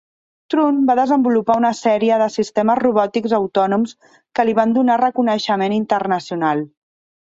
Thrun va desenvolupar una sèrie de sistemes robòtics autònoms que li van donar reconeixement internacional.